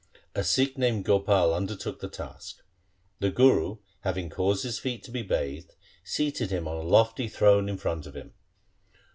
A Sikh named Gopal undertook the task. The Guru having caused his feet to be bathed, seated him on a lofty throne in front of him.